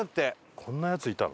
こんなやついたの？